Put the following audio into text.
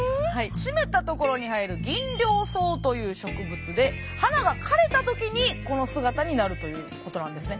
湿った所に生えるギンリョウソウという植物で花が枯れた時にこの姿になるということなんですね。